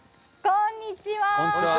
こんにちは。